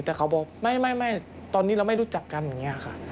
แต่เขาบอกไม่ตอนนี้เราไม่รู้จักกันอย่างนี้ค่ะ